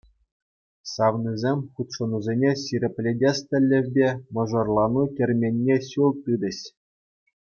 Савнисем хутшӑнусене ҫирӗплетес тӗллевпе мӑшӑрланну керменне ҫул тытӗҫ.